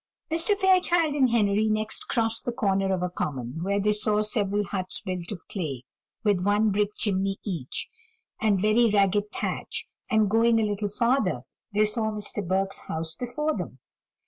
Mr. Fairchild and Henry next crossed the corner of a common, where they saw several huts built of clay, with one brick chimney each, and very ragged thatch; and going a little farther, they saw Mr. Burke's house before them.